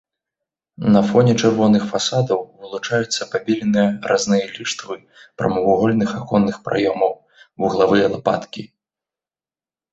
На фоне чырвоных фасадаў вылучаюцца пабеленыя разныя ліштвы прамавугольных аконны праёмаў, вуглавыя лапаткі.